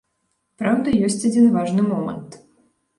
Праўда, ёсць адзін важны момант.